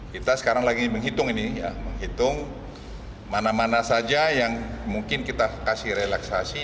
kita sekarang lagi menghitung ini ya menghitung mana mana saja yang mungkin kita kasih relaksasi